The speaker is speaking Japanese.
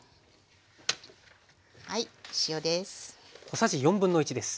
はい塩です。